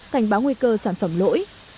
cảnh báo nguy cơ sản phẩm lỗi